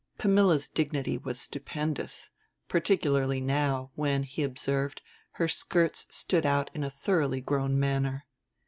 Camilla's dignity was stupendous; particularly now, when, he observed, her skirts stood out in a thoroughly grown manner.